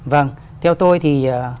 vâng theo tôi thì